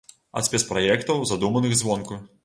Ад спецпраектаў, задуманых звонку.